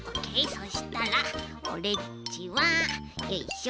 そしたらオレっちはよいしょ。